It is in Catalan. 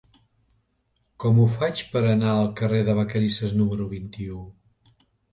Com ho faig per anar al carrer de Vacarisses número vint-i-u?